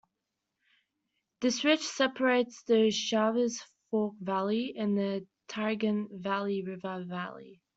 This ridge separates the Shavers Fork valley from the Tygart Valley River valley.